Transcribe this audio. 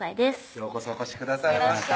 ようこそお越しくださいました